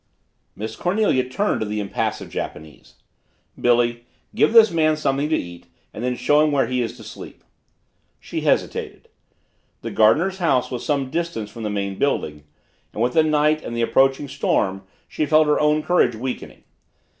Miss Cornelia turned to the impassive Japanese. "Billy, give this man something to eat and then show him where he is to sleep." She hesitated. The gardener's house was some distance from the main building, and with the night and the approaching storm she felt her own courage weakening.